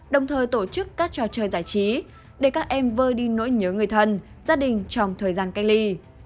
đồng thời tổ chức các trò chơi giải trí để các em vơi đi nỗi nhớ người thân gia đình trong thời gian cách ly